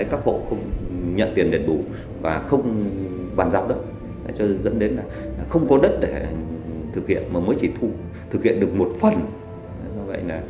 các bộ không nhận tiền đề đủ và không bàn giao đất cho dẫn đến là không có đất để thực hiện mà mới chỉ thu thực hiện được một phần